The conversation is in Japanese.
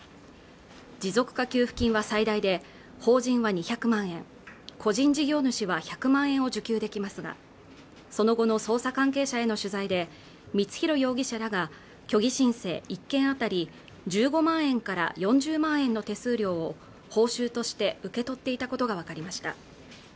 持続化給付金は最大で法人は２００万円個人事業主は１００万円を受給できますがその後の捜査関係者への取材で光弘容疑者らが虚偽申請１件当たり１５万円から４０万円の手数料を報酬として受け取っていたことが分かりました